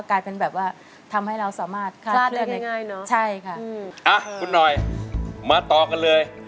กลับเมาท์หรือยังไง